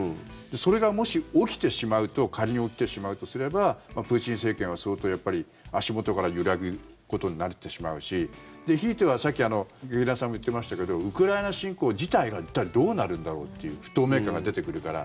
それがもし仮に起きてしまうとすればプーチン政権は相当、足元から揺らぐことになってしまうしひいては、さっき劇団さんも言ってましたけどウクライナ侵攻自体が一体どうなるんだろうという不透明感が出てくるから。